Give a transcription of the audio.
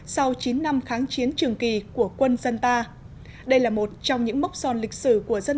sau chín năm kháng chiến trường kỳ của quân dân ta đây là một trong những mốc son lịch sử của dân